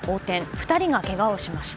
２人がけがをしました。